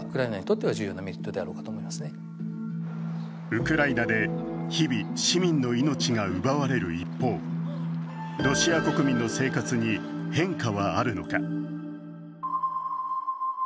ウクライナで日々、市民の命が奪われる一方、ロシア国民の生活に変化はあるのか。